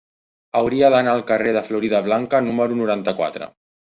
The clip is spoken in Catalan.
Hauria d'anar al carrer de Floridablanca número noranta-quatre.